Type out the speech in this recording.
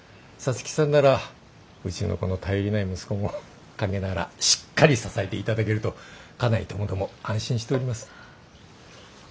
皐月さんならうちのこの頼りない息子も陰ながらしっかり支えて頂けると家内ともども安心しております。